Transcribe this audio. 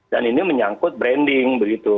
dan ini menyangkut branding begitu